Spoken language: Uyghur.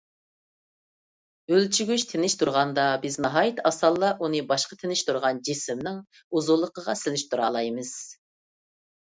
ئۆلچىگۈچ تىنچ تۇرغاندا، بىز ناھايىتى ئاسانلا ئۇنى باشقا تىنچ تۇرغان جىسىمنىڭ ئۇزۇنلۇقىغا سېلىشتۇرالايمىز.